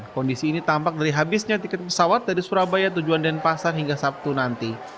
kondisi ini tampak dari habisnya tiket pesawat dari surabaya tujuan denpasar hingga sabtu nanti